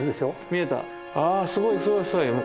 あすごいすごいすごい。